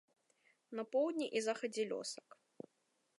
На поўдні і захадзе лёсак.